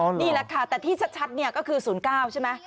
นี่แหละค่ะแต่ที่ชัดเนี่ยก็คือ๐๙ใช่ไหม